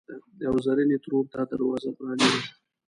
او زرینې ترور ته دروازه پرانیزه!